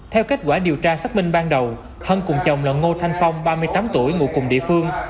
theo kết quả điều tra xác minh ban đầu hân cùng chồng là ngô thanh phong ba mươi tám tuổi ngụ cùng địa phương